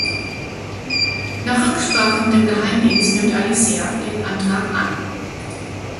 Nach Rücksprache mit dem Geheimdienst nimmt Alicia den Antrag an.